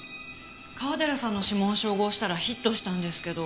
川寺さんの指紋を照合したらヒットしたんですけど。